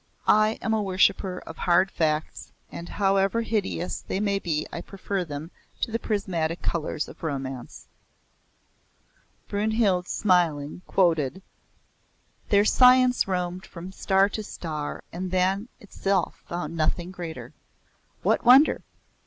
I am a worshipper of hard facts and however hideous they may be I prefer them to the prismatic colours of romance." Brynhild, smiling, quoted; "Their science roamed from star to star And than itself found nothing greater. What wonder?